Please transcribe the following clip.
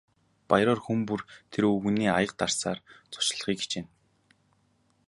Баяраар хүн бүр тэр өвгөнийг аяга дарсаар зочлохыг хичээнэ.